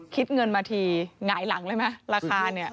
คิดเงินมาทีหงายหลังเลยไหมราคาเนี่ย